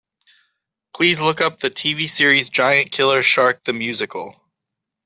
Please look up the TV series Giant Killer Shark: The Musical.